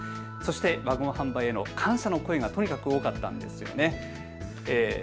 ワゴン販売への感謝の声がとにかく多かったんです。